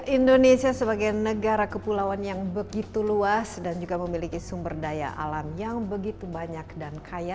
indonesia sebagai negara kepulauan yang begitu luas dan juga memiliki sumber daya alam yang begitu banyak dan kaya